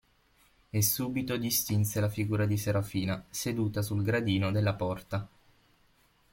E subito distinse la figura di Serafina seduta sul gradino della porta.